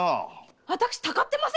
私たかってません！